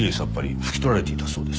拭き取られていたそうです。